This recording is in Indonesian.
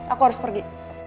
aku harus pergi